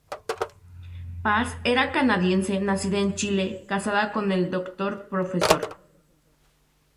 Paz era canadiense, nacida en Chile, casada con el Dr. Prof.